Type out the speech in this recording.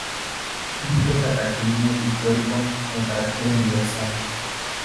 Un bello cataclismo pictórico con carácter universal.